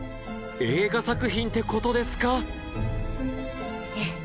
映画作品ってことですかええ。